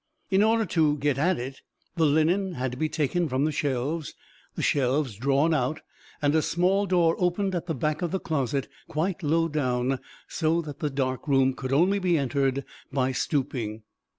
In order to get at it, the linen had to be taken from the shelves, the shelves drawn out, and a small door opened at the back of the closet, quite low down, so that the dark room could only be entered by stooping.